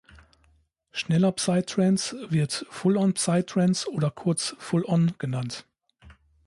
Schneller Psytrance wird Full On Psytrance oder kurz Full On genannt.